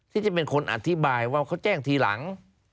ที่จะเป็นคนอธิบายว่าเขาแจ้งทีหลัง